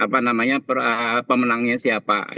apa namanya pemenangnya siapa